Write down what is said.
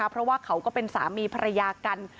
เพราะว่าเขาก็เป็นสามีภรรยากัน